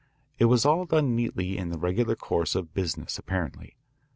It was all done neatly in the regular course of business apparently.